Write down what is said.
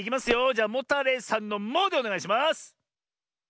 じゃモタレイさんの「モ」でおねがいします！